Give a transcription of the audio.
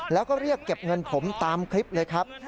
แล้วก็เรียกเก็บเงินผมตามคลิปเลยครับ